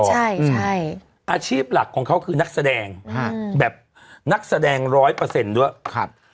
ใช่ใช่อาชีพหลักของเขาคือนักแสดงฮะแบบนักแสดงร้อยเปอร์เซ็นต์ด้วยครับ